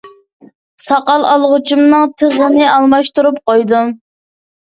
ساقال ئالغۇچۇمنىڭ تىغىنى ئالماشتۇرۇپ قويدۇم.